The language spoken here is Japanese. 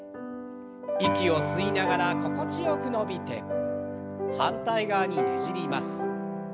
息を吸いながら心地よく伸びて反対側にねじります。